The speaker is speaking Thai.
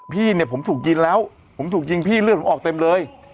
พี่เนี่ยผมถูกยิงแล้วผมถูกยิงพี่เลือดผมออกเต็มเลย